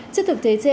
trước thực thế trên